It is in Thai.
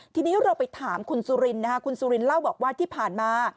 ทีนี้เราไปถามคุณสุรินนะคะคุณสุรินเล่าบอกว่าที่ผ่านมา